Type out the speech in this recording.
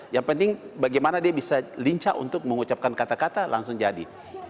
yang penting bagaimana dia bisa lincah untuk mengucapkan kata kata langsung jadi